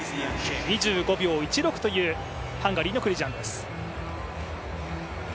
２５秒１６というハンガリーのクリジャンです。